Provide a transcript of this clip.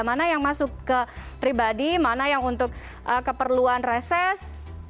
mana yang masuk ke pribadi mana yang untuk keperluan reses